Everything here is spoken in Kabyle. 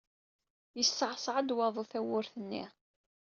Yeṣṣeɛṣeɛ-d waḍu tawwurt-nni.